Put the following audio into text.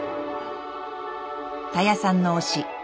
たやさんの推し